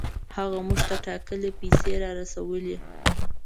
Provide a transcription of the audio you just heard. هغه موږ ته ټاکلې پیسې را رسولې.